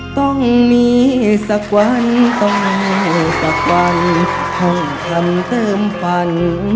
ต้องมีสักวันต้องมีสักวันห้องทำเติมฝัน